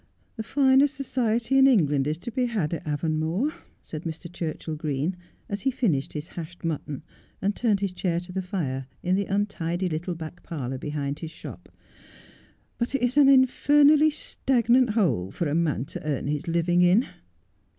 ' The finest society in England is to be had at Avonmore,' said Mr. Churchill Green, as he finished his hashed mutton, and turned his chair to the fire in the untidy little back parlour behind his shoj>, ' but it is an infernally stagnant hole for a man to earn his living in.'